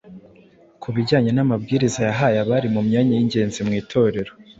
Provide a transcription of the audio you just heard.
Ku bijyanye n’amabwiriza yahaye abari mu myanya y’ingenzi mu itorero